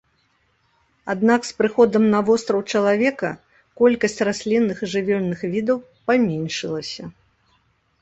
Аднак з прыходам на востраў чалавека колькасць раслінных і жывёльных відаў паменшылася.